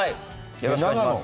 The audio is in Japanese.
よろしくお願いします。